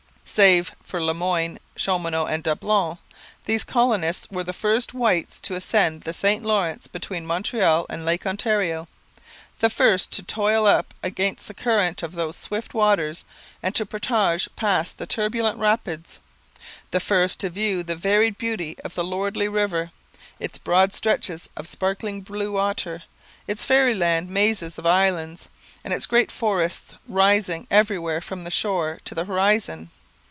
Save for Le Moyne, Chaumonot, and Dablon, these colonists were the first whites to ascend the St Lawrence between Montreal and Lake Ontario; the first to toil up against the current of those swift waters and to portage past the turbulent rapids; the first to view the varied beauty of the lordly river, its broad stretches of sparkling blue waters, its fairyland mazes of islands, and its great forests rising everywhere from the shore to the horizon.